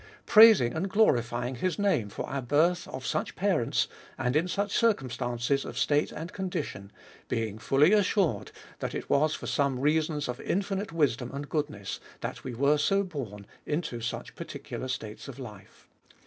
Praising and glorifying his name for our birth of such parents, and in such cir cumstances of state and condition ; being fully assured, that it was for some reasons of infinite wisdom and goodness, that we were so born into such particular states of life.